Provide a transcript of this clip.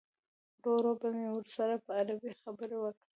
ورور به مې ورسره په عربي خبرې وکړي.